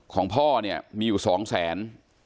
ของพ่อเนี่ยมีอยู่๒แสน